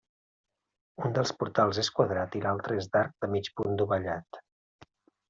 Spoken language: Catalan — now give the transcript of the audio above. Un dels portals és quadrat i l'altre és d'arc de mig punt dovellat.